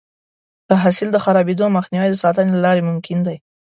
د حاصل د خرابېدو مخنیوی د ساتنې له لارې ممکن دی.